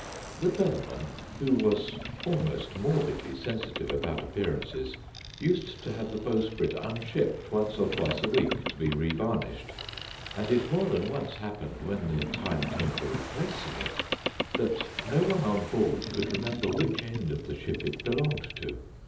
The Bellman, who was almost morbidly sensitive about appearances, used to have the bowsprit unshipped once or twice a week to be revarnished; and it more than once happened, when the time came for replacing it, that no one on board could remember which end of the ship it belonged to.